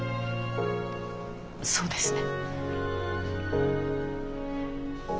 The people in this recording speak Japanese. そうですね。